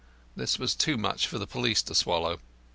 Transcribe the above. This was too much for the public to swallow.